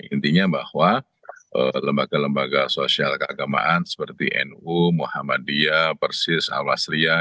intinya bahwa lembaga lembaga sosial keagamaan seperti nu muhammadiyah persis al wasriyah